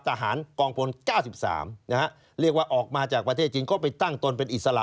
ทหารกองพล๙๓นะฮะเรียกว่าออกมาจากประเทศจีนก็ไปตั้งตนเป็นอิสระ